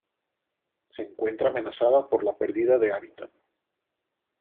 Se encuentra amenazada por la perdida de hábitat.